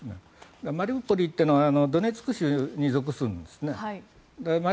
マリウポリというのはドネツク州に属するんです。